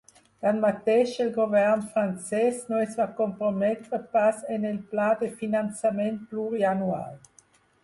Tanmateix, el govern francès no es va comprometre pas en el pla de finançament plurianual.